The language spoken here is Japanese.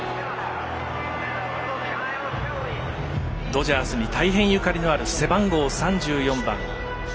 ドジャースに大変ゆかりのある背番号３４番。